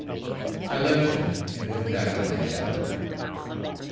I left him and went back to my cabin.